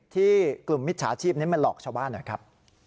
ที่กลุ่มมิจฉาชีพนี้มาหลอกชาวบ้านหน่อยครับ